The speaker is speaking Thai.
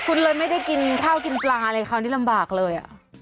คุณเลยไม่ได้กินข้าวกินปลาอะไรคราวนี้ลำบากเลย